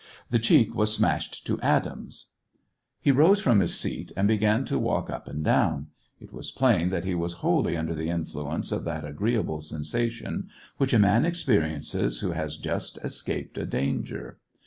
The cheek was smashed to atoms." He rose from his seat, and began to walk up and down ; it was plain that he was wholly under the influence of that agreeable sensation which a man experiences who has just escaped a danger.